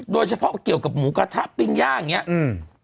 โดยเฉพาะเกี่ยวกับหมูกระทะปิ้งย่างอย่างเงี้อืม